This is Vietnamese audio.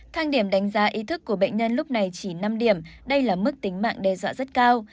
thang điểm đánh giá ý thức của bệnh nhân lúc này chỉ năm điểm đây là mức tính mạng đe dọa rất cao